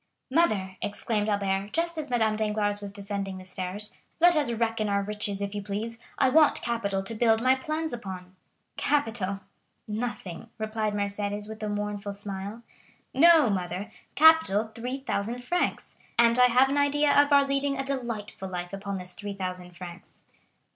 "Mother," exclaimed Albert, just as Madame Danglars was descending the stairs, "let us reckon our riches, if you please; I want capital to build my plans upon." "Capital—nothing!" replied Mercédès with a mournful smile. "No, mother,—capital 3,000 francs. And I have an idea of our leading a delightful life upon this 3,000 francs."